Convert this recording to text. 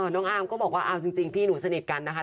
น้องอาร์มก็บอกว่าเอาจริงพี่หนูสนิทกันนะคะ